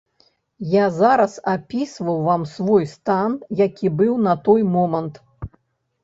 Я зараз апісваў вам свой стан, які быў на той момант.